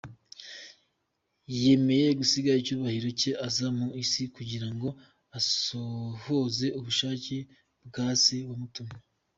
Yemeye gusiga icyubahiro cye, aza mu isi kugira ngo asohoze ubushake bwa Se wamutumye.